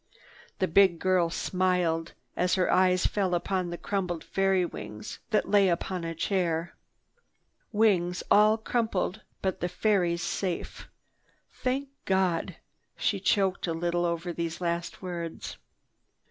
The big girl smiled as her eyes fell upon the crumpled fairy's wings that lay upon a chair. "Wings all crumpled but the fairy's safe, tha—thank God!" She choked a little over these last words.